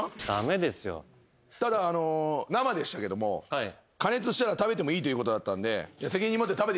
ただ生でしたけども加熱したら食べてもいいということだったんで。